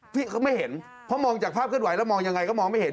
พี่ก็ไม่เห็นเพราะมองจากภาพเคลื่อนไหวแล้วมองยังไงก็มองไม่เห็น